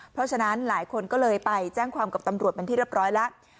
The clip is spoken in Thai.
เพราะฉะนั้นหลายคนก็เลยไปแจ้งความกับตำรวจเป็นที่เรียบร้อยแล้ว